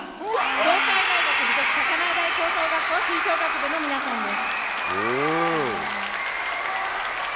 東海大学付属高輪台高等学校吹奏楽部の皆さんです。